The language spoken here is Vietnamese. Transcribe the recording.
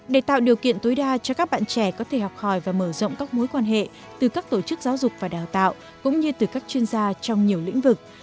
để tạo điều kiện tối đa cho các bạn trẻ có thể học hỏi và mở rộng các mối quan hệ từ các tổ chức giáo dục và đào tạo cũng như từ các chuyên gia trong nhiều lĩnh vực